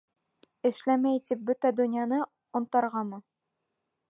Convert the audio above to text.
Эшләмәй тип бөтә донъяны онтарғамы?